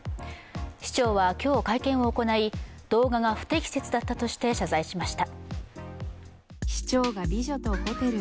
市長は今日会見を行い、動画が不適切だったとして謝罪しました。